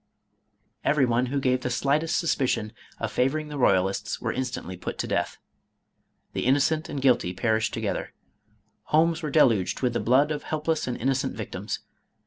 Every one who gave the slightest suspicion of favoring the royalists were instantly put to death. The inno 22 506 MADAME ROLAND. cent and guilty perished together. Homes were del uged with the blood of helpless and innocent victims.